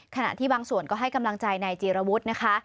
ขณะที่บางส่วนก็ให้กำลังใจนายจีรวุฒินะคะ